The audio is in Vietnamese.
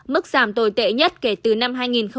mức giảm tồi tệ nhất kể từ năm hai nghìn một mươi năm